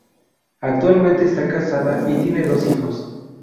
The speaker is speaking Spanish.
Actualmente está casada y tiene dos hijos.